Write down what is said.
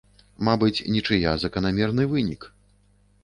Мабыць, нічыя заканамерны вынік.